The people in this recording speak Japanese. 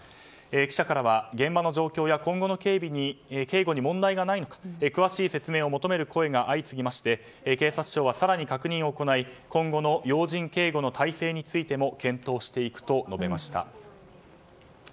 記者からは現場の状況や今後の警護に問題ないのか詳しい説明を求める声が相次ぎまして警察庁は更に確認を行い今後の要人警護の体制についても検討していくと述べました。